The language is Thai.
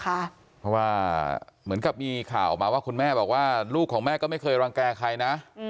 เพราะว่าเหมือนกับมีข่าวออกมาว่าคุณแม่บอกว่าลูกของแม่ก็ไม่เคยรังแก่ใครนะ